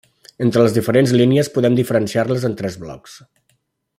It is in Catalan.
Entre les diferents línies podem diferenciar-les en tres blocs: